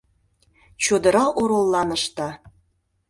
Чодыра ороллан ышта.